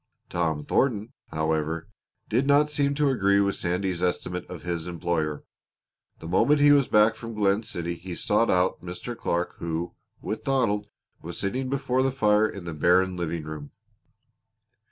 Tom Thornton, however, did not seem to agree with Sandy's estimate of his employer. The moment he was back from Glen City he sought out Mr. Clark who, with Donald, was sitting before the fire in the barren living room.